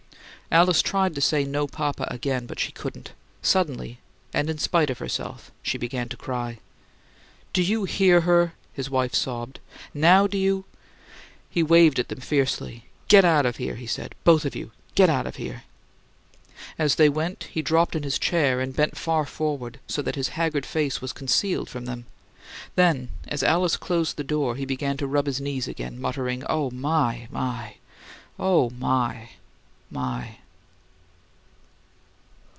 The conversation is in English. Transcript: Alice tried to say, "No, papa," again, but she couldn't. Suddenly and in spite of herself she began to cry. "Do you hear her?" his wife sobbed. "Now do you " He waved at them fiercely. "Get out of here!" he said. "Both of you! Get out of here!" As they went, he dropped in his chair and bent far forward, so that his haggard face was concealed from them. Then, as Alice closed the door, he began to rub his knees again, muttering, "Oh, my, my! OH, my, my!"